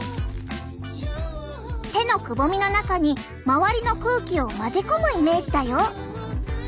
手のくぼみの中に周りの空気を混ぜ込むイメージだよ。